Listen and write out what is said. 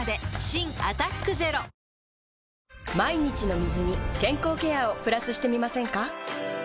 新「アタックＺＥＲＯ」毎日の水に健康ケアをプラスしてみませんか？